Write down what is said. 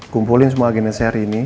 kumpulin semua agennya sehari ini